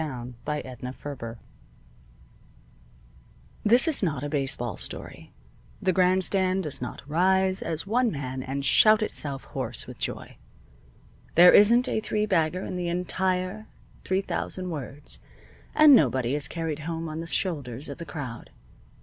IV A BUSH LEAGUE HERO This is not a baseball story. The grandstand does not rise as one man and shout itself hoarse with joy. There isn't a three bagger in the entire three thousand words, and nobody is carried home on the shoulders of the crowd.